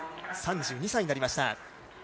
３２歳になりました。